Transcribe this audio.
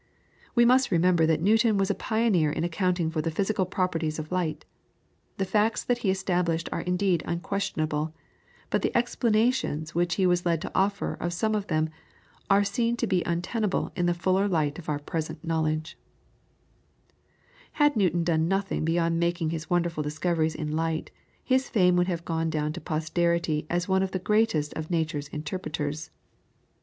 We must remember that Newton was a pioneer in accounting for the physical properties of light. The facts that he established are indeed unquestionable, but the explanations which he was led to offer of some of them are seen to be untenable in the fuller light of our present knowledge. [PLATE: SIR ISAAC NEWTON'S SUN DIAL.] Had Newton done nothing beyond making his wonderful discoveries in light, his fame would have gone down to posterity as one of the greatest of Nature's interpreters.